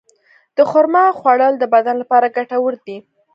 د خرما خوړل د بدن لپاره ګټور دي.